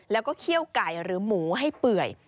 แล้วก็เคี่ยวไก่หรือหมูให้เปื่อย